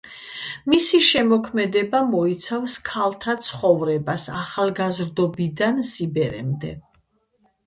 მისი შემოქმედება მოიცავს ქალთა ცხოვრებას ახალგაზრდობიდან სიბერემდე.